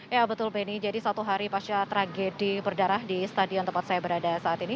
ya betul benny jadi satu hari pasca tragedi berdarah di stadion tempat saya berada saat ini